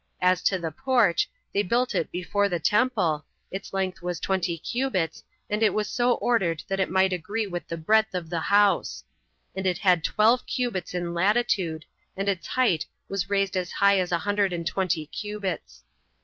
As to the porch, they built it before the temple; its length was twenty cubits, and it was so ordered that it might agree with the breadth of the house; and it had twelve cubits in latitude, and its height was raised as high as a hundred and twenty cubits.